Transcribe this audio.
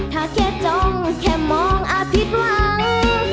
ถ้าแค่จ้องแค่มองอาผิดหวัง